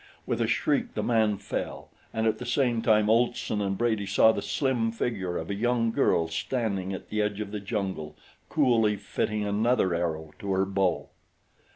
With a shriek the man fell, and at the same time Olson and Brady saw the slim figure of a young girl standing at the edge of the jungle coolly fitting another arrow to her bow.